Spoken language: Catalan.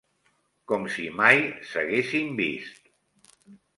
Com si mai s'haguessin vist.